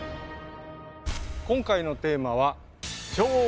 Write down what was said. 今回のテーマはお！